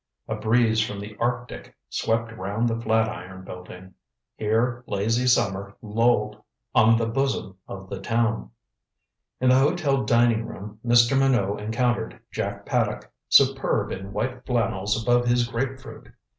A breeze from the Arctic swept round the Flatiron building. Here lazy summer lolled on the bosom of the town. In the hotel dining room Mr. Minot encountered Jack Paddock, superb in white flannels above his grapefruit.